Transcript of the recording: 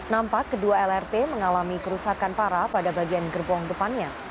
nampak kedua lrt mengalami kerusakan parah pada bagian gerbong depannya